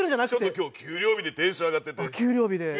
今日給料日でテンション上がってて。